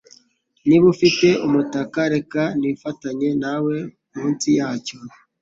Niba ufite umutaka, reka nifatanye nawe munsi yacyo.